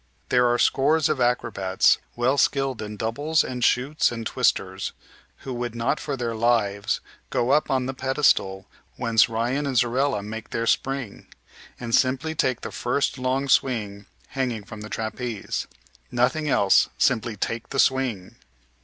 There are scores of acrobats, well skilled in doubles and shoots and twisters, who would not for their lives go up on the pedestal whence Ryan and Zorella make their spring, and simply take the first long swing hanging from the trapeze. Nothing else, simply take the swing!